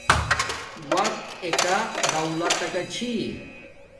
وقت ایکہ دولتکا چھی